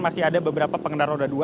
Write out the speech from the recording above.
masih ada beberapa pengendara roda dua